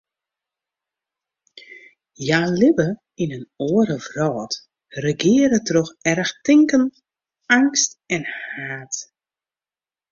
Hja libbe yn in oare wrâld, regearre troch erchtinken, eangst en haat.